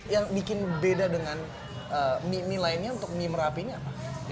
yang bikin beda dengan mie mie lainnya untuk mie merapi ini apa